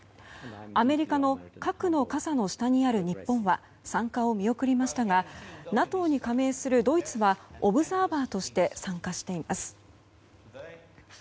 アメリカの核の傘の下にある日本は参加を見送りましたがＮＡＴＯに加盟するドイツはオブザーバーとして参加しています。